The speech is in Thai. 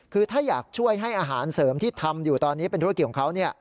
คือถ้าอยากช่วยให้อาหารเสริมที่ทำอยู่ตอนนี้เป็นธุรกิจของเขา